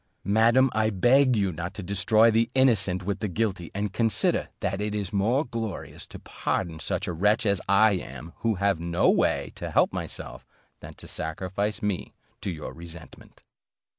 Madam, I beg you not to destroy the innocent with the guilty, and consider, that it is more glorious to pardon such a wretch as I am, who have no way to help myself, than to sacrifice me to your resentment."